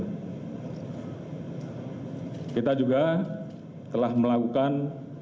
dan kita juga telah melakukan